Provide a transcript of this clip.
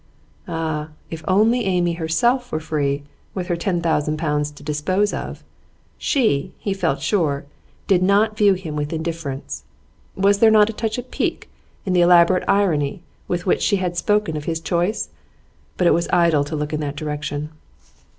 Ah! if only Amy herself were free, with her ten thousand pounds to dispose of! She, he felt sure, did not view him with indifference. Was there not a touch of pique in the elaborate irony with which she had spoken of his choice? But it was idle to look in that direction.